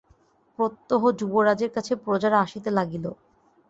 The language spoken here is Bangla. প্রত্যহ যুবরাজের কাছে প্রজারা আসিতে লাগিল।